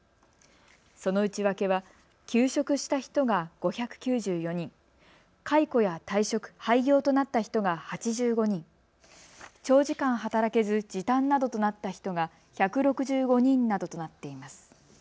その内訳は休職した人が５９４人、解雇や退職、廃業となった人が８５人、長時間働けず時短などとなった人が１６５人などとなっています。